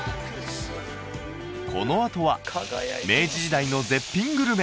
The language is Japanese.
このあとは明治時代の絶品グルメ